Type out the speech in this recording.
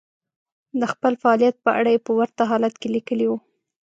د خپل فعاليت په اړه يې په ورته حالت کې ليکلي وو.